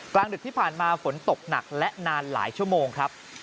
ดึกที่ผ่านมาฝนตกหนักและนานหลายชั่วโมงครับ